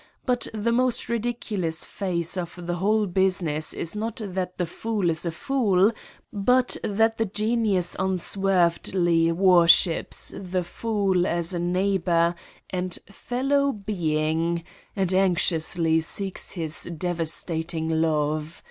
But the most ridiculous phase of the whole business is not that the fool is a fool but that the genius unswervedly worships the fool as a neighbor and fellow being and anxiously seeks his devastating love.